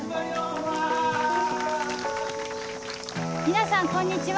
皆さんこんにちは。